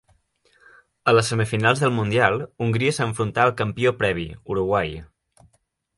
A les semifinals del Mundial, Hongria s'enfrontà al campió previ, Uruguai.